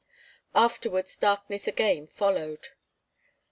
Afterwards darkness again followed.